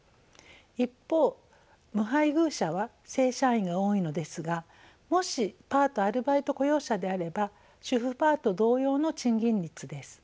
一方無配偶者は正社員が多いのですがもしパートアルバイト雇用者であれば主婦パート同様の賃金です。